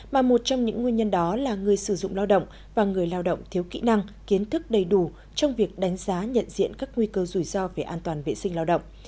mà một trong những nguyên nhân đó là người sử dụng lao động và người lao động thiếu kỹ năng kiến thức đầy đủ trong việc đánh giá nhận diện các nguy cơ rủi ro về an toàn vệ sinh lao động